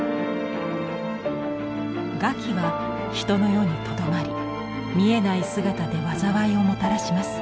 餓鬼は人の世にとどまり見えない姿で災いをもたらします。